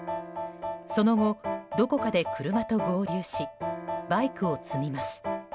その後、どこかで車と合流しバイクを積みます。